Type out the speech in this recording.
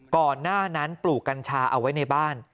ก่อนหน้านั้นปลูกกัญชาเอาไว้ในบ้าน